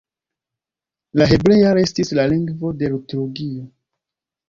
La hebrea restis la lingvo de liturgio.